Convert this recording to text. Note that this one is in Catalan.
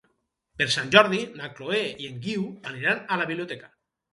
Per Sant Jordi na Chloé i en Guiu aniran a la biblioteca.